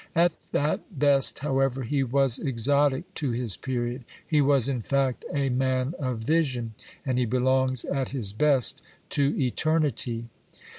At that best, however, he was exotic to his period ; he was, in fact, a man of vision, and he belongs at his best to eternity.